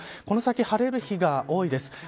この先、晴れる日が多いです。